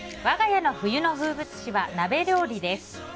我が家の冬の風物詩は鍋料理です。